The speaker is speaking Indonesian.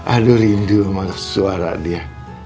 aduh rindu sama suara dia